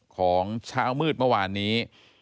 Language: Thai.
ของเช้ามืดเมื่อวานนี้